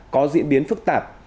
có diễn biến phức tạp